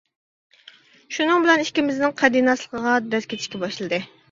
شۇنىڭ بىلەن ئىككىمىزنىڭ «قەدىناس» لىقىغا دەز كېتىشكە باشلىدى.